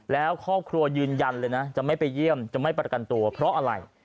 แล้วครอบครัวยืนยันเลยนะจะไม่ไปเยี่ยมจะไม่ประกันตัวเพราะอะไร